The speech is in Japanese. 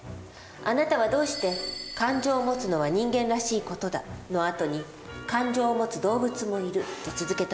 あなたはどうして「感情を持つのは人間らしい事だ」の後に「感情を持つ動物もいる」と続けたの？